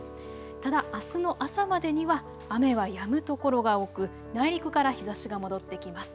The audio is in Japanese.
ただあすの朝までには雨はやむところが多く内陸から日ざしが戻ってきます。